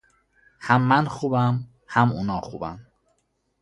هم من خوبم هم اونا خوبن